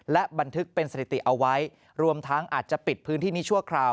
และบันทึกเป็นสถิติเอาไว้รวมทั้งอาจจะปิดพื้นที่นี้ชั่วคราว